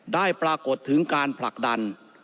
ได้ปรากฏถึงการผลักดัน